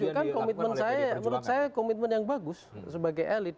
itu kan komitmen saya menurut saya komitmen yang bagus sebagai elit